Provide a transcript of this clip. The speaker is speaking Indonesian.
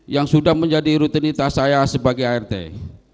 yang sudah menjadi rutinitas saya sebagai art